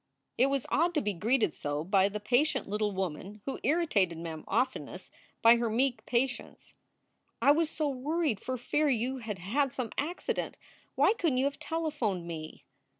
It was odd to be greeted so by the patient little woman who irritated Mem oftenest by her meek patience. "I was so worried for fear you had had some accident. Why couldn t you have telephoned me?"